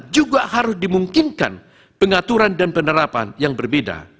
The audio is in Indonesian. juga harus dimungkinkan pengaturan dan penerapan yang berbeda